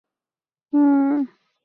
蓟县期是以蓟县纪命名的。